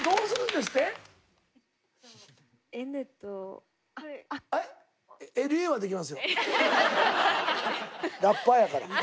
ラッパーやから。